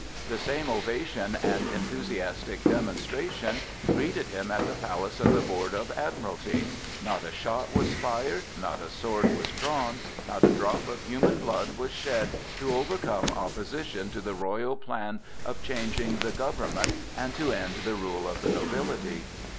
The same ovation and enthusiastic demonstration greeted him at the palace of the Board of Admiralty. Not a shot was fired, not a sword was drawn, not a drop of human blood was shed to overcome opposition to the royal plan of changing the government and to end the rule of the nobility.